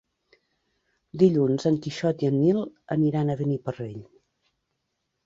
Dilluns en Quixot i en Nil aniran a Beniparrell.